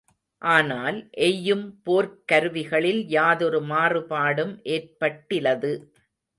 ஆனால், எய்யும் போர்க் கருவிகளில் யாதொரு மாறுபாடும் ஏற்பட்டிலது.